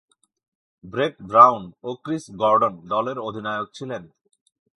Brett Brown ও Chris Gordon দলের অধিনায়ক ছিলেন।